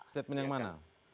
statement yang mana